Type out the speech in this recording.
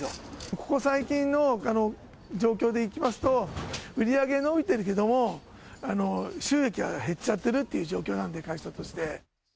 ここ最近の状況でいきますと、売り上げ伸びてるけども、収益が減っちゃってるっていう状況なんで、会社として。